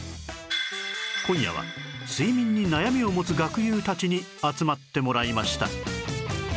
今夜は睡眠に悩みを持つ学友たちに集まってもらいました